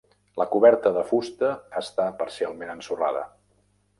La coberta de fusta està parcialment ensorrada.